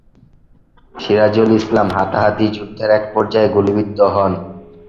সিরাজুল ইসলাম হাতাহাতি যুদ্ধের একপর্যায়ে গুলিবিদ্ধ হন।